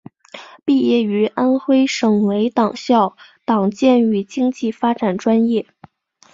毕业于安徽省委党校党建与经济发展专业。